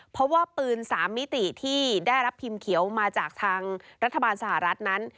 เพราะว่าปืน๓มิติที่ได้รับพิมพ์เขียวมาจากทางรัฐบาลสหรัฐนั้น